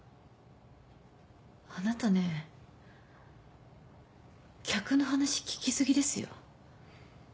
あなたね客の話聞き過ぎですよ。